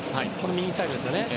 右サイドですよね。